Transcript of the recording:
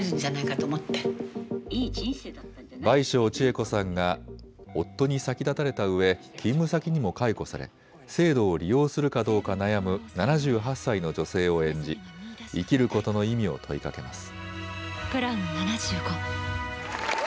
倍賞千恵子さんが夫に先立たれたうえ勤務先にも解雇され制度を利用するかどうか悩む７８歳の女性を演じ生きることの意味を問いかけます。